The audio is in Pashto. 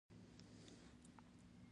زما زوی باید کوڼ او ګونګی نه وي